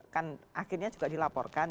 kan akhirnya juga dilaporkan